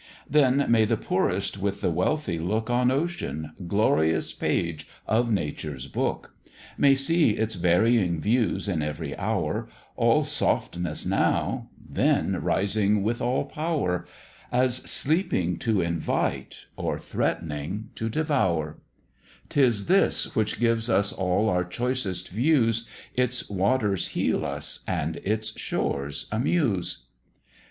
Then may the poorest with the wealthy look On ocean, glorious page of Nature's book! May see its varying views in every hour, All softness now, then rising with all power, As sleeping to invite, or threat'ning to devour: 'Tis this which gives us all our choicest views; Its waters heal us, and its shores amuse.